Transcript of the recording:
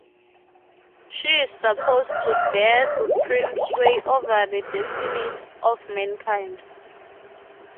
She is supposed to bear supreme sway over the destinies of mankind.